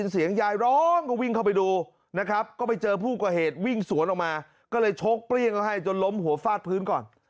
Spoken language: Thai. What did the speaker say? เข้าไปดูนะครับก็ไปเจอผู้ก่อเหตุวิ่งสวนออกมาก็เลยชกเปรี้ยงเขาให้จนล้มหัวฟาดพื้นก่อน